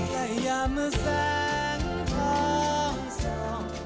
แต่อย่ามาแสงทองสอง